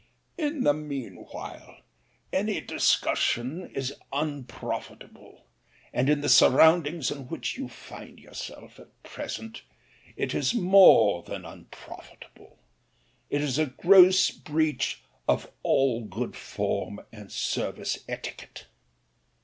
"In the meanwhile any discussion is unprofitable ; and in the surroundings in which you find yourself at present it is more than unprofitable — it is a gross breach of all good form and service etiquette.